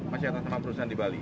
masih aslama perusahaan di bali